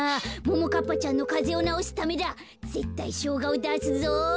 ももかっぱちゃんのかぜをなおすためだぜったいしょうがをだすぞ。